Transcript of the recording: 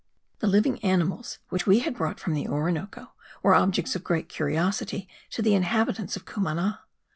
The living animals which we had brought from the Orinoco were objects of great curiosity to the inhabitants of Cumana.